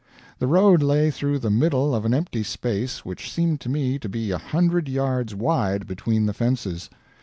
The road lay through the middle of an empty space which seemed to me to be a hundred yards wide between the fences.